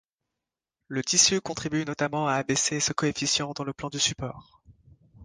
Le tissu contribue notamment à abaisser ce coefficient dans le plan du support.